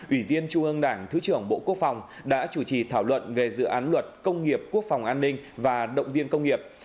ủy viên trung ương đảng thứ trưởng bộ quốc phòng đã chủ trì thảo luận về dự án luật công nghiệp quốc phòng an ninh và động viên công nghiệp